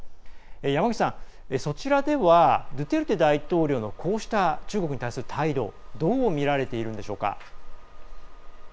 山口さん、そちらではドゥテルテ大統領のこうした中国に対する態度どう見られているんでしょうか？